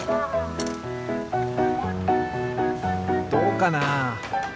どうかな？